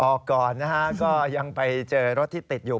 ออกก่อนนะฮะก็ยังไปเจอรถที่ติดอยู่